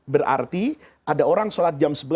berarti ada orang sholat jam sebelas